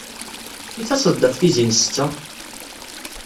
I taseḍ-d ɣef tizi n ssetta?